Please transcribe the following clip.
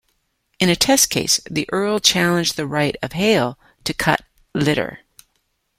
In a test case, the Earl challenged the right of Hale to cut litter.